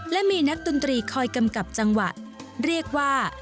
และมีนักดนตรีคอยกำกับจังหวะเรียกว่า